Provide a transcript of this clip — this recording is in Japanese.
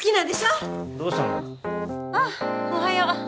あっおはよう。